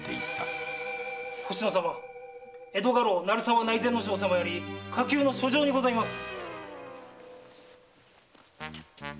江戸家老・成沢内善正様より火急の書状にございます。